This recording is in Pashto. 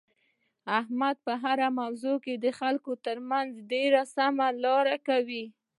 احمد په هره موضوع کې د خلکو ترمنځ ډېره سمه لاره کوي.